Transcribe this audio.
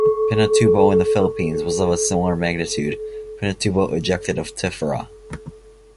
Pinatubo in the Philippines was of a similar magnitude; Pinatubo ejected of tephra.